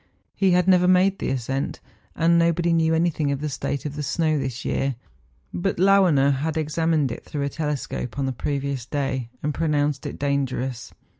He had never made the ascent, and nobody knew anything of the state of the snow this year; but Lauener had examined it through a telescope on the previous day, and pronounced it dangerous.